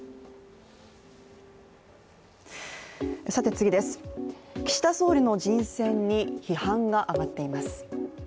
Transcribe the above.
次です、岸田総理の人選に批判が上がっています。